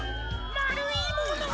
まるいもの！